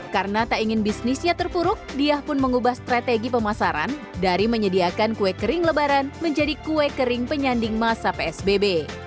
karena tak ingin bisnisnya terpuruk diyah pun mengubah strategi pemasaran dari menyediakan kue kering lebaran menjadi kue kering penyanding masa psbb